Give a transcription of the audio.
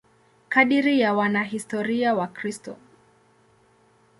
Kadiri ya wanahistoria Wakristo.